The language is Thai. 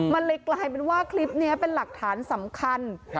มันเลยกลายเป็นว่าคลิปนี้เป็นหลักฐานสำคัญ